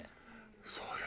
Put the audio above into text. そうよ。